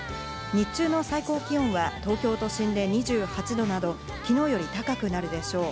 日中の最高気温は東京都心で２８度など、昨日より高くなるでしょう。